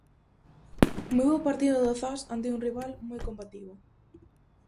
Moi bo partido do Zas ante un rival moi combativo.